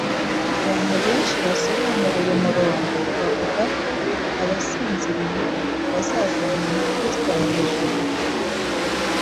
Abantu benshi basobanura uyu murongo bavuga ko abasinziriye bazavana na Kristo mu ijuru;